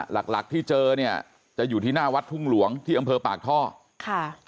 หลักหลักที่เจอเนี่ยจะอยู่ที่หน้าวัดทุ่งหลวงที่อำเภอปากท่อค่ะ